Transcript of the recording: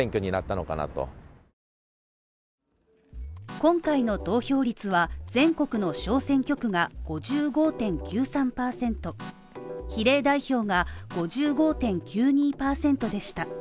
今回の投票率は全国の小選挙区が５５．９３％、比例代表が５５．９２％でした。